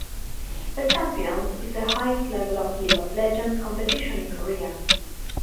The Champions is the highest level of "League of Legends" competition in Korea.